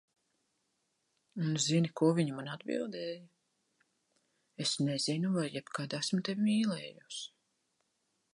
Un zini, ko viņa man atbildēja, "Es nezinu, vai jebkad esmu tevi mīlējusi."